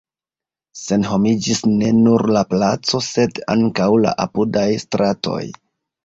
Senhomiĝis ne nur la placo, sed ankaŭ la apudaj stratoj.